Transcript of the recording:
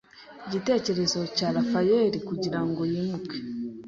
igitekerezo cya Raphael kugirango yimuke